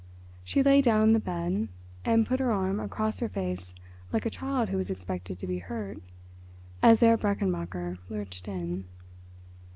She lay down on the bed and put her arm across her face like a child who expected to be hurt as Herr Brechenmacher lurched in.